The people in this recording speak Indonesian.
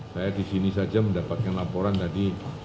saya disini saja mendapatkan laporan tadi